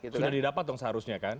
sudah didapat dong seharusnya kan